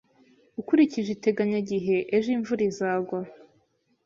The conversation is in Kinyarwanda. Ukurikije iteganyagihe, ejo imvura izagwa